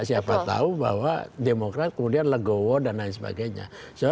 siapa tahu bahwa demokrat kemudian legowo dan lain sebagainya